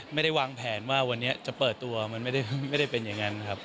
ไม่ได้วางแผนว่าวันนี้จะเปิดตัวมันไม่ได้เป็นอย่างนั้นครับ